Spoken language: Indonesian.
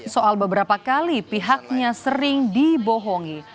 soal beberapa kali pihaknya sering dibohongi